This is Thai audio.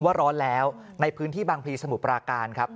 ว่าร้อนแล้วในพื้นที่บางพลีสมุทรปราการครับ